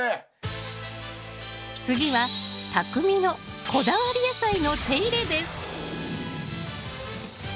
次はたくみのこだわり野菜の手入れです